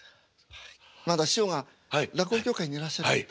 まだ師匠が落語協会にいらっしゃった時。